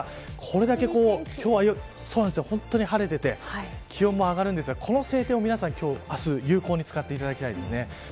これだけ今日は本当に晴れていて気温も上がるんですがこの晴天を今日、明日有効に使ってください。